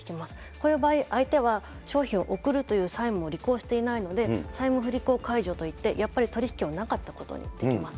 こういう場合、相手は商品を送るという債務を履行していないので、債務不履行解除といって、やっぱり取り引きをなかったことにできます。